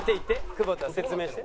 久保田説明して。